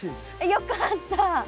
よかった。